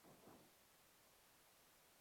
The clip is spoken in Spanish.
Daniel Fernández Torres.